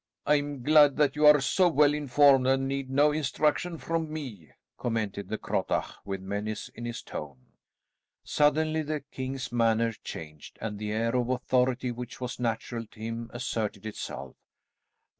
"I am glad that you are so well informed, and need no instruction from me," commented the Crottach with menace in his tone. Suddenly the king's manner changed, and the air of authority which was natural to him asserted itself.